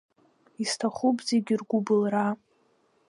Исҭахуп зегь ргәыбылра.